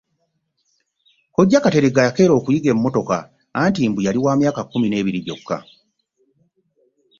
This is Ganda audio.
Kojja Kateregga yakeera okuyiga emmotoka anti mbu yali wa myaka kkumi n'ebiri gyokka.